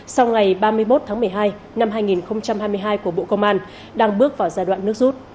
sau ngày ba mươi một tháng một mươi hai năm hai nghìn hai mươi hai của bộ công an đang bước vào giai đoạn nước rút